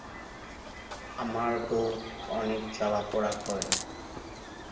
আমার বুক অনেক জ্বালা-পোড়া করে।